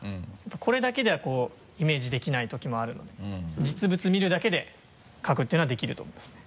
これだけではイメージできないときもあるので実物見るだけでかくっていうのはできると思いますね。